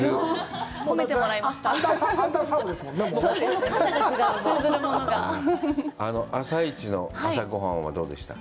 褒めてもらいました。